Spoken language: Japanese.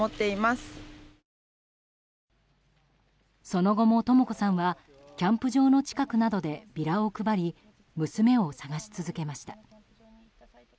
その後も、とも子さんはキャンプ場の近くなどでビラを配り娘を捜し続けました。